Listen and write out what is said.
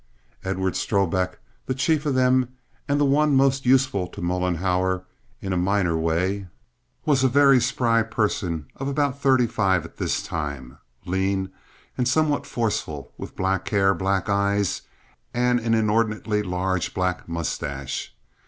Edward Strobik, the chief of them, and the one most useful to Mollenhauer, in a minor way, was a very spry person of about thirty five at this time—lean and somewhat forceful, with black hair, black eyes, and an inordinately large black mustache.